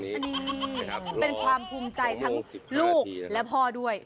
อันนี้เป็นความภูมิใจทั้งลูกและพ่อด้วย